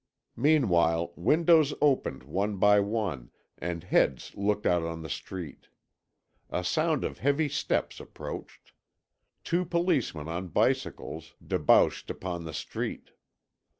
Meanwhile, windows opened one by one, and heads looked out on the street. A sound of heavy steps approached. Two policemen on bicycles debouched upon the street.